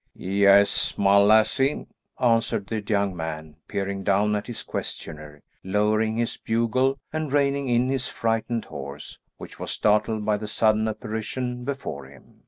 "Yes, my lassie," answered the young man, peering down at his questioner, lowering his bugle, and reining in his frightened horse, which was startled by the sudden apparition before him.